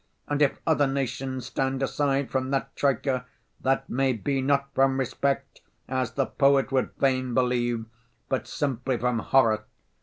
And if other nations stand aside from that troika that may be, not from respect, as the poet would fain believe, but simply from horror.